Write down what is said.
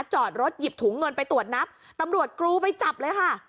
จอดรถหยิบถุงเงินไปตรวจนับตำรวจกรูไปจับเลยค่ะ